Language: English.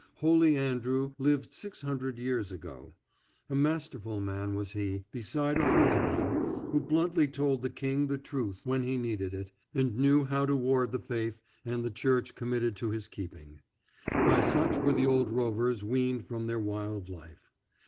Holy Andrew lived six hundred years ago. A masterful man was he, beside a holy one, who bluntly told the king the truth when he needed it, and knew how to ward the faith and the church committed to his keeping. By such were the old rovers weaned from their wild life.